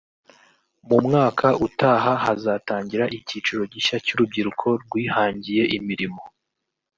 mu mwaka utaha hazatangira icyiciro gishya cy’urubyiruko rwihangiye imirimo